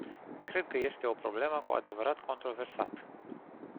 Cred că este o problemă cu adevărat controversat.